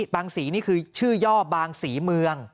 สีนี่คือชื่อย่อบางศรีเมือง